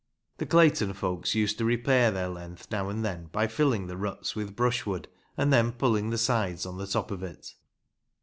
The Clayton folks used to repair their length now and then by filling the ruts with brushwood, and then pulling the sides on the top of it.